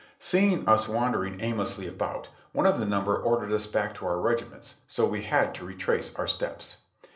Seeing us wandering aimlessly about, one of the number ordered us back to our regiments, and so we had to retrace our steps.